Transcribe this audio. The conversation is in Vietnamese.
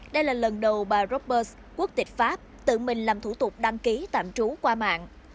đây là lần đầu bà roberts quốc tịch pháp tự mình làm thủ tục đăng ký tạm trú qua mạng